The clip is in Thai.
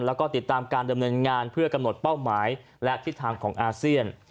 แล้วก็ติดตามการดำเนินงานเพื่อกำหนดเป้าหมายและทิศทางของอาเซียน